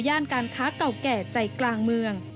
การค้าเก่าแก่ใจกลางเมือง